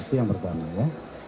itu yang pertama